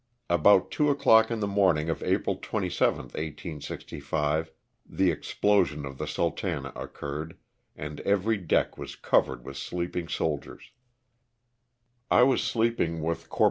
About two o'clock on the morning of April 27, 1865, the explosion of the '^Sultana" occurred, and every deck was covered with sleeping soldiers. I was sleeping with Corp.